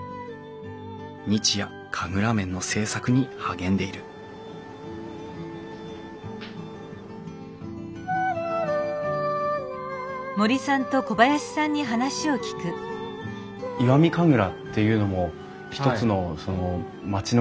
日夜神楽面の制作に励んでいる石見神楽っていうのも一つの町の景色だと思うんですけれども。